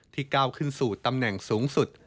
ก้าวขึ้นสู่ตำแหน่งสูงสุด